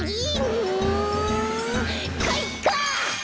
うんかいか！